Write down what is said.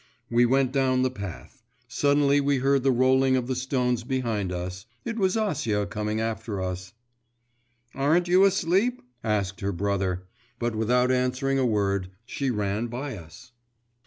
We went down the path. Suddenly we heard the rolling of the stones behind us; it was Acia coming after us. 'Aren't you asleep?' asked her brother; but, without answering a word, she ran by us.